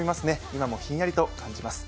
今もひんやりと感じます。